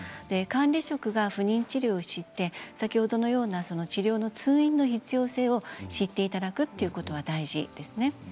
管理職が不妊治療を知って先ほどのような治療の通院の必要性を知っていただくということは大事ですね。